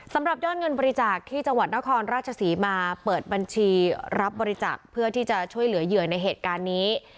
สำหรับยอดเงินบริจาคที่จังหวัดนครราชศรีมาเปิดบัญชีรับบริจาคเพื่อที่จะช่วยเหลือเหยื่อในเหตุการณ์นี้